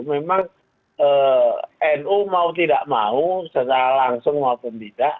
memang nu mau tidak mau secara langsung maupun tidak